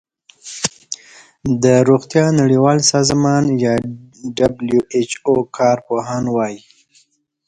د روغتیا نړیوال سازمان یا ډبلیو ایچ او کار پوهان وايي